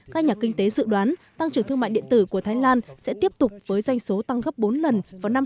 các nhà kinh tế dự đoán tăng trưởng thương mại điện tử của thái lan sẽ tiếp tục với doanh số tăng gấp bốn lần vào năm hai nghìn hai mươi